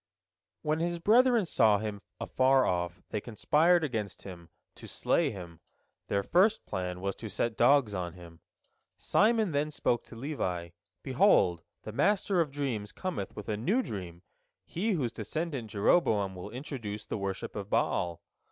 When his brethren saw him afar off, they conspired against him, to slay him. Their first plan was to set dogs on him. Simon then spoke to Levi, "Behold, the master of dreams cometh with a new dream, he whose descendant Jeroboam will introduce the worship of Baal.